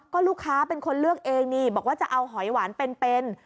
ก็ลูกค้าเป็นคนเลือกเองนี่บอกว่าจะเอาหอยหวานเป็น